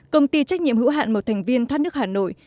công ty trách nhiệm hữu hạn một thành viên thoát nước hà nội